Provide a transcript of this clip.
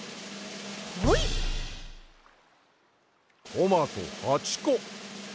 トマト８こ。